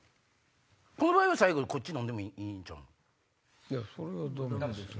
この場合は最後こっち飲んでもいいんちゃうの？